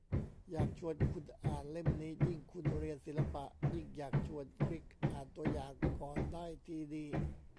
อยากชวนคุณอ่านเล่มนี้ ยิ่งคุณเรียนศิลปะ ยิ่งอยากชวน คลิกอ่านตัวอย่างก่อนได้ที่นี่